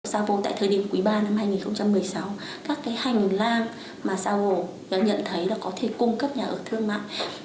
sao hồ tại thời điểm quý ba năm hai nghìn một mươi sáu các cái hành lan mà sao hồ nhận thấy là có thể cung cấp nhà ở thương mạng